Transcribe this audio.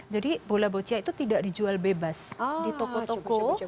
jadi bola boccia itu tidak dijual bebas di toko toko